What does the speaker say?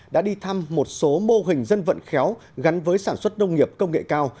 đã đi thăm một số mô hình dân vận khéo gắn với sản xuất nông nghiệp công nghệ cao